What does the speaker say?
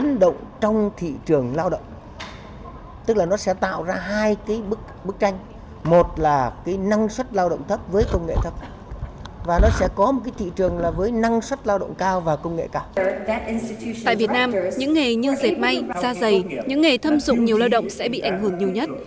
nếu công nghiệp may xa dày những nghề thâm dụng nhiều lao động sẽ bị ảnh hưởng nhiều nhất